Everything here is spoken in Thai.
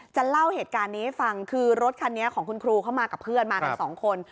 เล่าเหตุการณ์นี้ให้ฟังคือรถคันนี้ของคุณครูเข้ามากับเพื่อนมากันสองคน